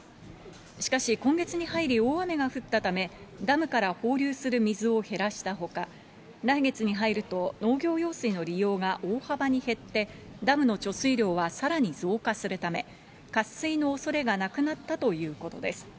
しかし今月に入り大雨が降ったため、ダムから放流する水を減らしたほか、来月に入ると、農業用水の利用が大幅に減って、ダムの貯水量はさらに増加するため、渇水のおそれはなくなったということです。